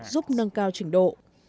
giúp nâng cao trình độ